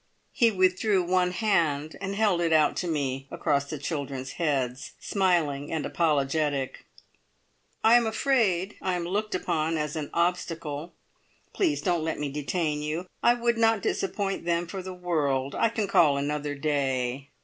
He withdrew one hand and held it out to me across the children's heads, smiling and apologetic. "I'm afraid I am looked upon as an obstacle. Please don't let me detain you. I would not disappoint them for the world. I can call another day."